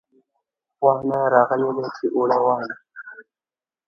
واڼه راغلې ده چې اوړه واڼي